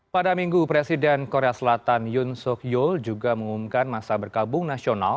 pada minggu presiden korea selatan yun suk yul juga mengumumkan masa berkabung nasional